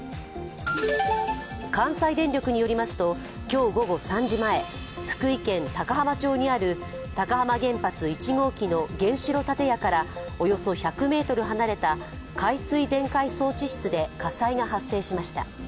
関西電力によりますと今日午後３時前福井県高浜町にある高浜原発１号機の原子炉建屋からおよそ１００ｍ離れた海水電解装置室で火災が発生しました。